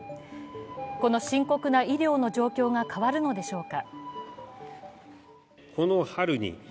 この深刻な医療の状況が変わるのでしょうか。